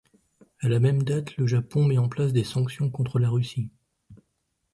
À la même date, le Japon met en place des sanctions contre la Russie.